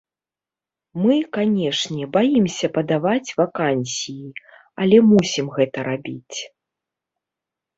Мы, канешне, баімся падаваць вакансіі, але мусім гэта рабіць.